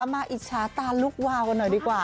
อิจฉาตาลุกวาวกันหน่อยดีกว่า